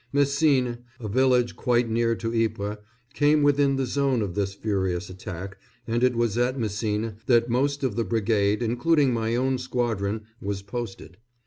Messines, a village quite near to Ypres, came within the zone of this furious attack, and it was at Messines that most of the brigade, including my own squadron, was posted.